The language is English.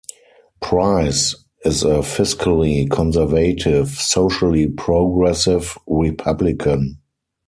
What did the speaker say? Pryce is a fiscally conservative, socially progressive Republican.